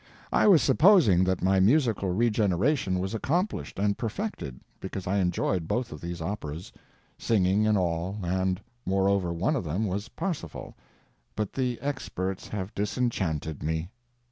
I was supposing that my musical regeneration was accomplished and perfected, because I enjoyed both of these operas, singing and all, and, moreover, one of them was "Parsifal," but the experts have disenchanted me.